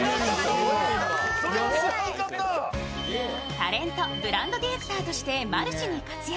タレント、ブランドディレクターとしてマルチに活躍。